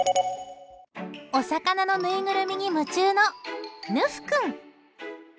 お魚のぬいぐるみに夢中のぬふ君。